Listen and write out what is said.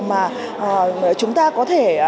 mà chúng ta có thể